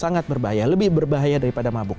sangat berbahaya lebih berbahaya daripada mabuk